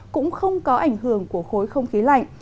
cũng không có ảnh hưởng của khối không khí lạnh